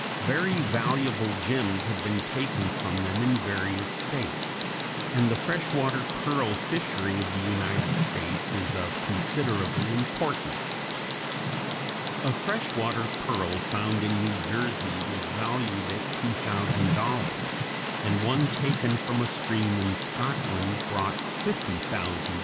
Very valuable gems have been taken from them in various states, and the fresh water pearl fishery of the United States is of considerable importance. A fresh water pearl found in New Jersey was valued at $2000, and one taken from a stream in Scotland brought $50,000. [Illustration: FIG.